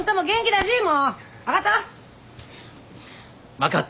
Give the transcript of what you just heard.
分かった。